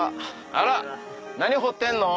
あら何掘ってんの？